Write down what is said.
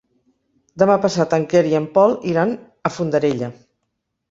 Demà passat en Quer i en Pol iran a Fondarella.